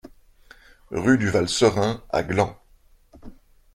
Rue du Val Serein à Gland